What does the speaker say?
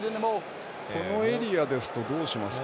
このエリアですとどうしますか。